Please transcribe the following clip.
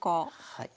はい。